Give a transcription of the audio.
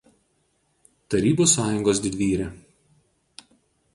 Tarybų Sąjungos Didvyrė.